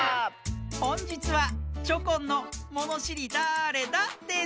ほんじつはチョコンの「ものしりだれだ？」です。